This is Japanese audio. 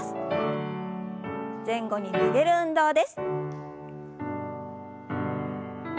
前後に曲げる運動です。